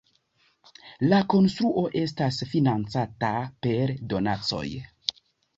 La konstruo estas financata per donacoj.